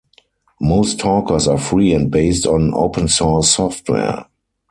Most talkers are free and based on open source software.